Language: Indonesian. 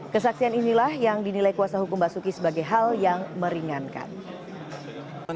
kesaksian inilah yang dinilai kuasa hukum basuki sebagai hal yang meringankan